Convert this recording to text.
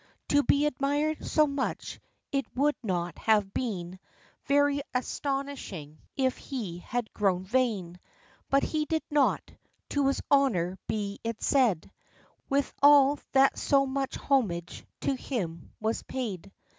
To be admired so much, it would not have been Very astonishing, if he had grown vain; But he did not — to his honor be it said — Withal that so much homage to him was paid.